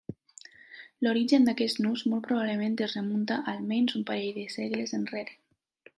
L'origen d'aquest nus molt probablement es remunta a almenys un parell de segles enrere.